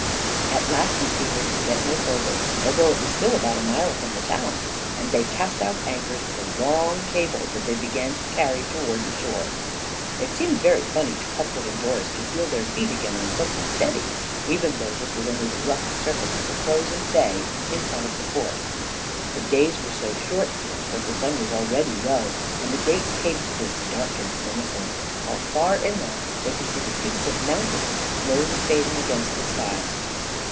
At last the steamer could get no farther, although it was still about a mile from the town, and they cast out anchors and a long cable that they began to carry toward the shore. It seemed very funny to Cuthbert and Doris to feel their feet again on something steady, even though this was only the rough surface of the frozen bay in front of the port. The days were so short here that the sun was already low, and the great cape stood dark and menacing, while far inland they could see the peaks of mountains slowly fading against the sky.